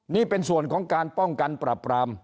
นี่เป็นส่วนของการป้องกันปรับปราม